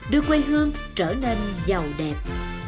đưa quê hương trở nên giàu đẹp